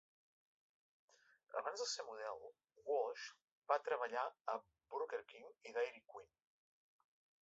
Abans de ser model, Walsh va treballar a Burger King i Dairy Queen.